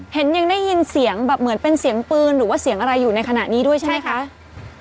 ยังได้ยินเสียงแบบเหมือนเป็นเสียงปืนหรือว่าเสียงอะไรอยู่ในขณะนี้ด้วยใช่ไหมคะ